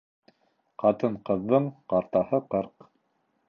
Ҡатын-ҡыҙҙың ҡартаһы ҡырҡ.